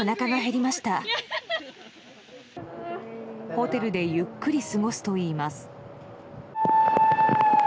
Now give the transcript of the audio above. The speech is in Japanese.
ホテルでゆっくり過ごすといいます。